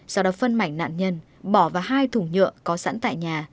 sau đó phân mảnh nạn nhân bỏ vào hai thùng nhựa có sẵn tại nhà